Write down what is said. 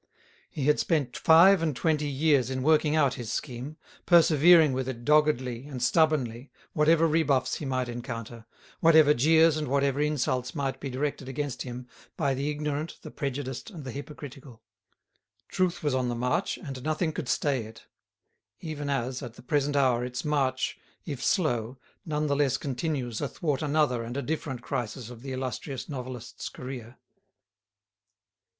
He had spent five and twenty years in working out his scheme, persevering with it doggedly and stubbornly, whatever rebuffs he might encounter, whatever jeers and whatever insults might be directed against him by the ignorant, the prejudiced, and the hypocritical. Truth was on the march and nothing could stay it; even as, at the present hour, its march, if slow, none the less continues athwart another and a different crisis of the illustrious novelist's career.